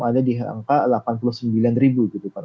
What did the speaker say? ada di angka rp delapan puluh sembilan gitu kan